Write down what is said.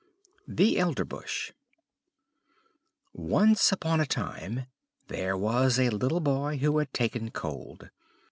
THE ELDERBUSH Once upon a time there was a little boy who had taken cold.